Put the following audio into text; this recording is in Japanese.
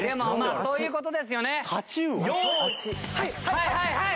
はいはいはい！